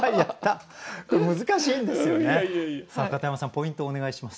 ポイントをお願いします。